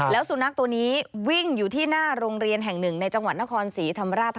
แล้วสุนัขตัวนี้วิ่งอยู่ที่หน้าโรงเรียนแห่งหนึ่งในจังหวัดนครศรีธรรมราช